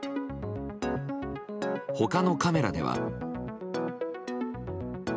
他のカメラでは。